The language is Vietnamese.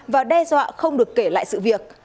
và đe dọa không được kể lại sự việc